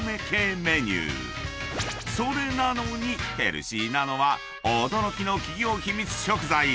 ［それなのにヘルシーなのは驚きの企業秘密食材